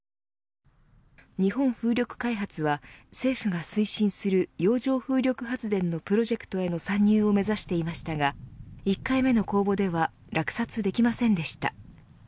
日本風力開発は政府が推進する洋上風力発電のプロジェクトへの参入を目指していましたが一回目の公募では落札できませんでした。